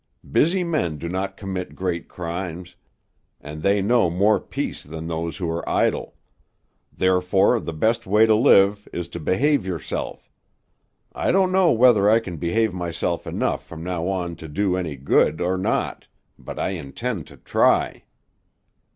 Busy men do not commit great crimes, and they know more peace than those who are idle; therefore the best way to live is to behave yourself. I don't know whether I can behave myself enough from now on to do any good, or not; but I intend to try."